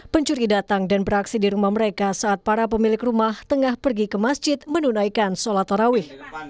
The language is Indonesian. pencuri datang dan beraksi di rumah mereka saat para pemilik rumah tengah pergi ke masjid menunaikan sholat tarawih